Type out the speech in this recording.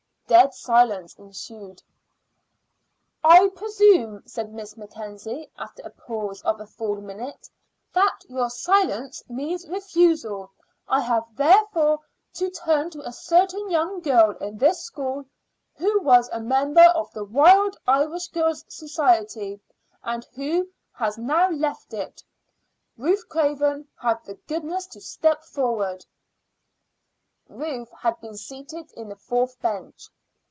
Dead silence ensued. "I presume," said Miss Mackenzie after a pause of a full minute, "that your silence means refusal I have therefore to turn to a certain young girl in this school who was a member of the Wild Irish Girls' Society, and who has now left it. Ruth Craven, have the goodness to step forward." Ruth had been seated in the fourth bench.